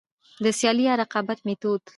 د سيالي يا رقابت ميتود: